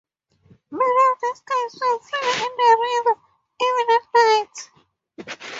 Men of this clan swim freely in the river, even at night.